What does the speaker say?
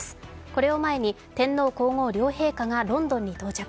これを前に天皇皇后両陛下がロンドンに到着。